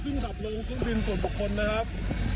มาแล้วครับ